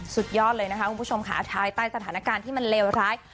สุดยอดเลยนะคะคุณผู้ชมค่ะภายใต้สถานการณ์ที่มันเลวร้าย